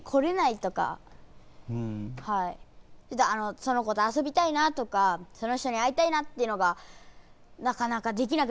その子とあそびたいなとかその人に会いたいなっていうのがなかなかできなくなっちゃったり。